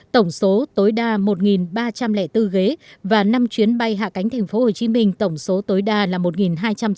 tổng số tối đa một ba trăm linh bốn ghế và năm chuyến bay hạ cánh tp hcm tổng số tối đa một hai trăm chín mươi ghế